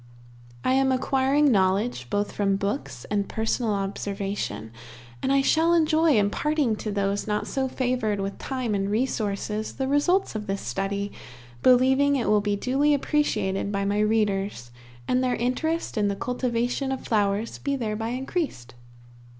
I am acquiring knowledge both from books and personal observation, and I shall enjoy imparting to those not so favored with time and resources the results of this study, believing it will be duly appreciated by my readers, and their interest in the cultivation of flowers be thereby increased.